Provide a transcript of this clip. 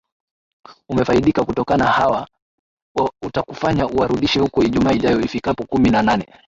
umefaidika kutokana hawa utakufanya uwarundishe huko ijumaa ijao ifikapo kumi na nane